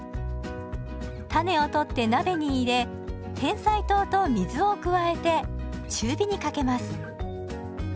種を取って鍋に入れてんさい糖と水を加えて中火にかけます。